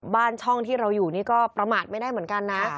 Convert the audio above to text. บ้านช่องที่เราอยู่นี่ก็ประมาทไม่ได้เหมือนกันนะ